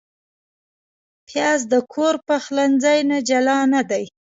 پیاز د کور پخلنځي نه جلا نه دی